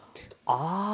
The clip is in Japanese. ああ！